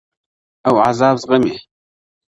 او عذاب زغمي